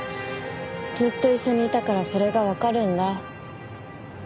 ずっと一緒にいたからそれがわかるんだ。